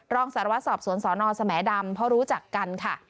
ลองสารวัดสอบสวนสสนสะแหน่ดำเพราะรู้จากกัน